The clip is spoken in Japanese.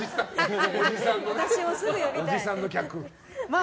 私もすぐ呼びたい。